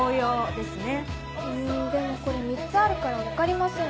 でもこれ３つあるから分かりません。